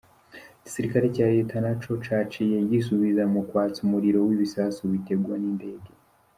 Igisirikare ca leta naco caciye gisubiza mu kwatsa umuriro w'ibisasu bitegwa n'indege.